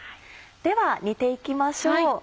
では煮て行きましょう。